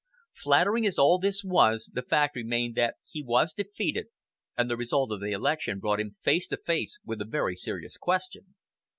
Flattering as all this was, the fact remained that he was defeated, and the result of the election brought him face to face with a very serious question.